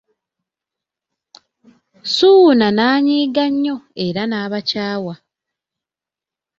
Ssuuna n’anyiiga nnyo era n’abakyawa.